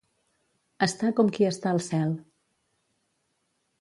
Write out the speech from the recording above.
Estar com qui està al cel.